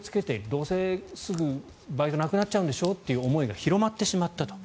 どうせすぐバイトなくなっちゃうんでしょという思いが広まってしまったと。